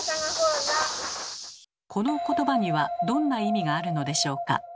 このことばにはどんな意味があるのでしょうか？